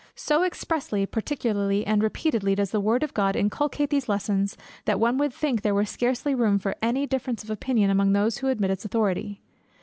So expressly, particularly, and repeatedly does the word of God inculcate these lessons, that one would think there were scarcely room for any difference of opinion among those who admit its authority.